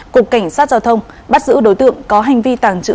của cảnh sát giao thông bắt giữ đối tượng có hành vi tàng trữ vận